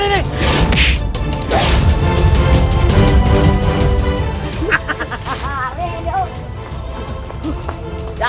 rasanya ini udah